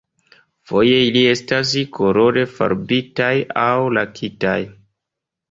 Foje ili estas kolore farbitaj aŭ lakitaj.